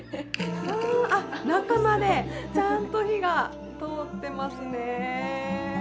あっ中までちゃんと火が通ってますね。